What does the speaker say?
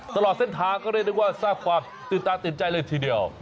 ตลอดเส้นทางก็เรียกได้ว่าทราบความตื่นตาตื่นใจเลยทีเดียว